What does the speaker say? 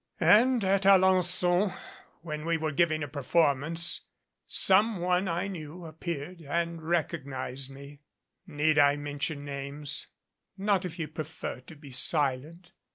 "And at Alenfon, when we were giving a performance, some one I knew appeared and recognized me. Need I mention names?" "Not if you prefer to be silent.